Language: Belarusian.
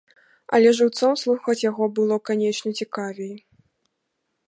Але жыўцом слухаць яго было, канечне, цікавей.